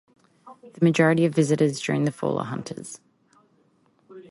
The majority of visitors during the fall are hunters.